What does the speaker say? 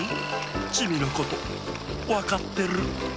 チミのことわかってる。